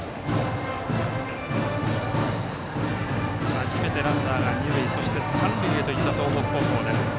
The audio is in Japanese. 初めてランナーが二塁三塁へといった東北高校。